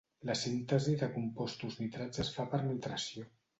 La síntesi de compostos nitrats es fa per nitració.